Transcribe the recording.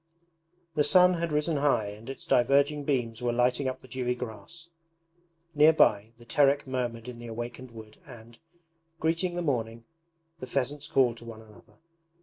The sun had risen high and its diverging beams were lighting up the dewy grass. Near by, the Terek murmured in the awakened wood and, greeting the morning, the pheasants called to one another.